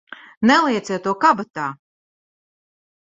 Nelieciet to kabatā!